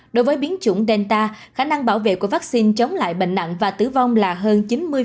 đối với biến chủng delta khả năng bảo vệ của vaccine chống lại bệnh nặng và tử vong là hơn chín mươi